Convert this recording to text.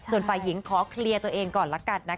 ส่วนฝ่ายหญิงขอเคลียร์ตัวเองก่อนละกันนะคะ